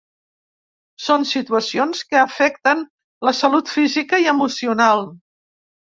Són situacions que afecten la salut física i emocional.